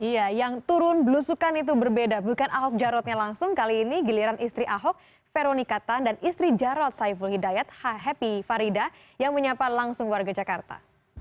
iya yang turun belusukan itu berbeda bukan ahok jarotnya langsung kali ini giliran istri ahok veronika tan dan istri jarod saiful hidayat happy farida yang menyapa langsung warga jakarta